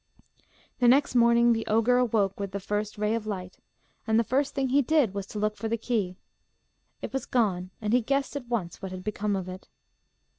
The next morning the ogre awoke with the first ray of light, and the first thing he did was to look for the key. It was gone, and he guessed at once what had become of it.